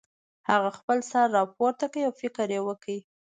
هغه خپل سر راپورته کړ او فکر یې وکړ